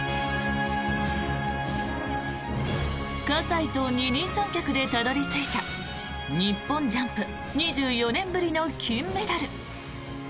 葛西と二人三脚でたどり着いた日本ジャンプ２４年ぶりの金メダル。